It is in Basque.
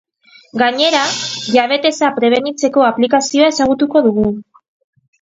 Gainera, diabetesa prebenitzeko aplikazioa ezagutuko dugu.